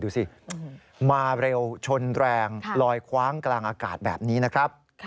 ดูสิมาเร็วชนแรงลอยคว้างกลางอากาศแบบนี้นะครับ